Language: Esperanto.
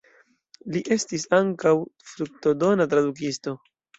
Li estis ankaŭ fruktodona tradukisto.